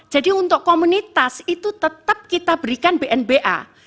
jadi untuk komunitas itu tetap kita berikan bnba